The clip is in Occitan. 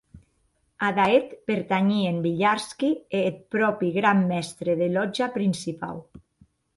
Ada eth pertanhien Villarski e eth pròpi gran mèstre de lòtja principau.